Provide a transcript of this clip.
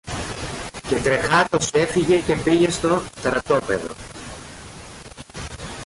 Και τρεχάτος έφυγε και πήγε στο στρατόπεδο.